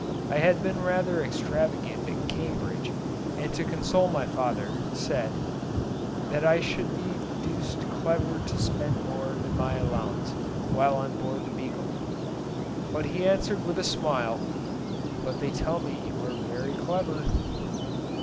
I had been rather extravagant at Cambridge, and to console my father, said, "that I should be deuced clever to spend more than my allowance whilst on board the 'Beagle';" but he answered with a smile, "But they tell me you are very clever."